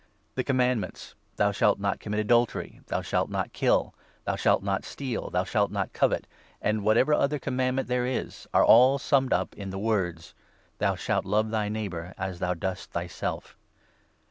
The commandments, ' Thou shalt not 9 commit adultery, Thou shalt not kill, Thou shalt not steal, Thou shalt not covet,' and whatever other commandment there is, are all summed up in the words —' Thou shalt love thy neighbour as thou dost thyself.'